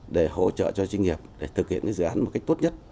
để hỗ trợ cho doanh nghiệp để thực hiện dự án một cách tốt nhất